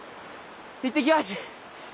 行ってきます。